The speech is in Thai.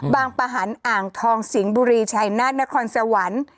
ประหันอ่างทองสิงห์บุรีชัยนาธนครสวรรค์